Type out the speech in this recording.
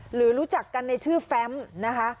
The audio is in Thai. หรือรู้จักกันในชื่อแฟมนะคะ